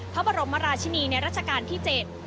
พระบรมราชินีในรัชกาลที่๗